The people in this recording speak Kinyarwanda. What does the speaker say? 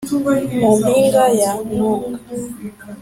Mu mpinga ya Ntunga